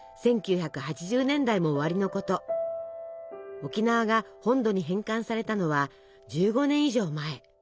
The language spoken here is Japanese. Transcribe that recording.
沖縄が本土に返還されたのは１５年以上前。